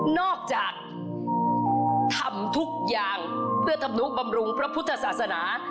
นอกจากทำทุกอย่างเพื่อธรรมนุบำรุงพระพุทธศาสนา